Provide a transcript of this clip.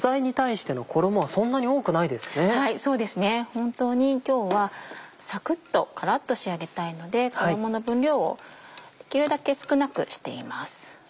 本当に今日はサクっとカラっと仕上げたいので衣の分量をできるだけ少なくしています。